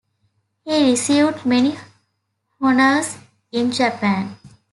He received many honours in Japan.